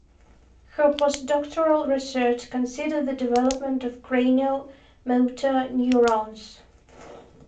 Her postdoctoral research considered the development of cranial motor neurons.